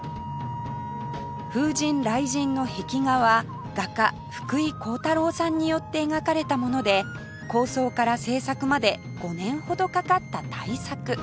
風神雷神の壁画は画家福井江太郎さんによって描かれたもので構想から制作まで５年ほどかかった大作